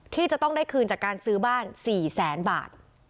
ที่จะต้องได้คืนจากการซื้อบ้าน๔แสนบาท